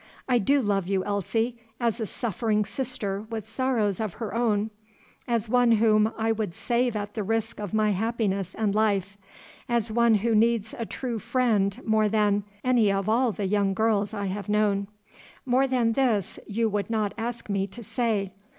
I do love you, Elsie, as a suffering sister with sorrows of her own, as one whom I would save at the risk of my happiness and life, as one who needs a true friend more than any of all the young girls I have known. More than this you would not ask me to say.